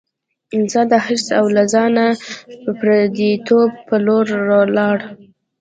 انسان د حرص او له ځانه پردیتوب په لور لاړ.